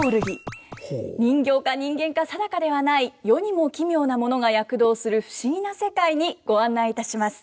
人形か人間か定かではない世にも奇妙なものが躍動する不思議な世界にご案内いたします。